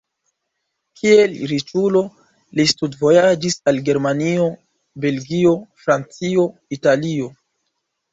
Kiel riĉulo li studvojaĝis al Germanio, Belgio, Francio, Italio.